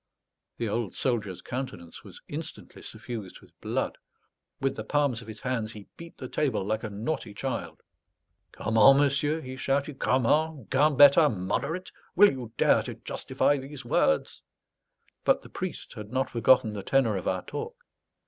The old soldier's countenance was instantly suffused with blood; with the palms of his hands he beat the table like a naughty child. "Comment, monsieur?" he shouted. "Comment? Gambetta moderate? Will you dare to justify these words?" But the priest had not forgotten the tenor of our talk.